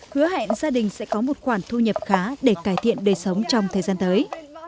hứa hẹn gia đình sẽ có một khoản thu nhập khá để cải thiện đời sống trong thời gian tới